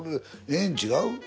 ええん違う？